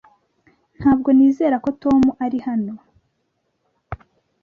Ntabwo nizera ko Tom ari hano